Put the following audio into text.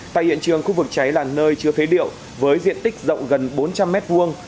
tại hiện trường khu vực cháy là nơi chứa phế liệu với diện tích rộng gần bốn trăm linh m hai